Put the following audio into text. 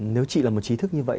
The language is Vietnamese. nếu chị là một trí thức như vậy